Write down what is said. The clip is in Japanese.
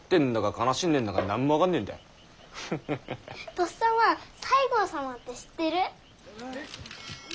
とっさま西郷様って知ってる？